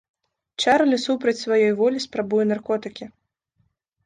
Чарлі супраць сваёй волі спрабуе наркотыкі.